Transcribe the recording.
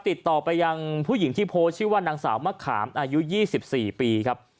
ติดต่อไปยังผู้หญิงที่โพสต์ชื่อว่านางสาวมะขามอายุ๒๔ปีครับ